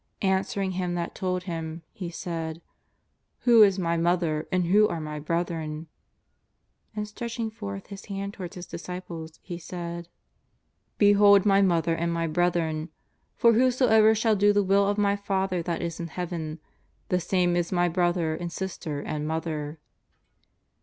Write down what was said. An swering him that told Him, He said :" Who is My Mother and who are My brethren ?" And stretching forth His hand towards His disciples He said :" Behold My Mother and My brethren. Tor whoso ever shall do the Will of My Father that is in Heaven^ the same is My brother and sister and Mother.'